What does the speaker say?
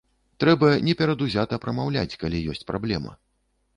Трэба неперадузята прамаўляць, калі ёсць праблема.